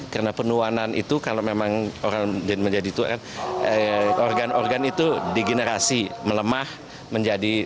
karena penuanan itu kalau memang orang menjadi tua organ organ itu digenerasi melemah menjadi